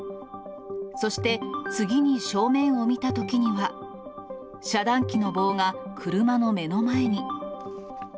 そして、次に正面を見たときには、遮断機の棒が車の目の前に。